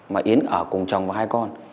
mà yến ở cùng chồng và hai con